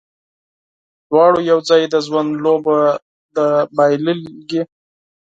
دواړو یو ځای، د ژوند لوبه ده بایللې